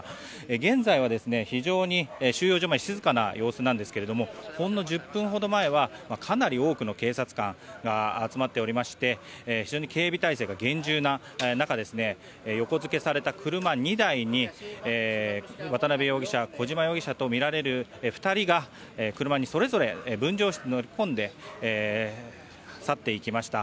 現在は非常に収容所前静かな様子なんですけどもほんの１０分ほど前はかなり多くの警察官が集まっておりまして非常に警備態勢が厳重な中横付けされた車２台に渡邉容疑者、小島容疑者とみられる２人が車にそれぞれ分乗して乗り込んで去っていきました。